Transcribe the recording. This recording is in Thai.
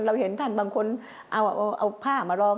เห็นท่านบางคนเอาผ้ามารอง